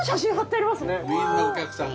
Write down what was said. みんなお客さん